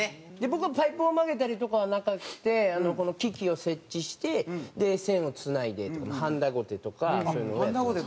僕はパイプを曲げたりとかはなくてこの機器を設置して線をつないでとかはんだごてとかそういうのをやって。